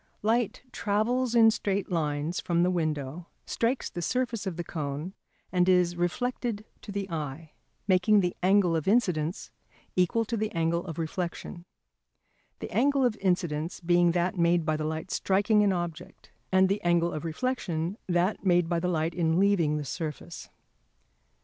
Light travels in straight lines from the window, strikes the surface of the cone, and is reflected to the eye, making the angle of incidence equal to the angle of reflection, the angle of incidence being that made by the light striking an object, and the angle of reflection that made by the light in leaving the surface.